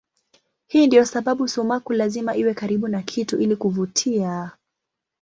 Hii ndiyo sababu sumaku lazima iwe karibu na kitu ili kuvutia.